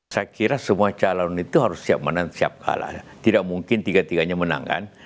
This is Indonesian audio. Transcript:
saya kira semua calon itu harus siap menang siap kalah tidak mungkin tiga tiganya menang kan